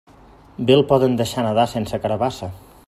Bé el poden deixar nadar sense carabassa.